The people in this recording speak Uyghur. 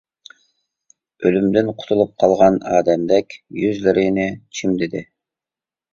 ئۆلۈمدىن قۇتۇلۇپ قالغان ئادەمدەك يۈزلىرىنى چىمدىدى.